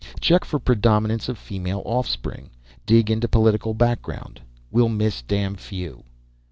Check for predominance of female offspring. Dig into political background. We'll miss damn few!"